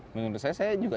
menurut saya saya juga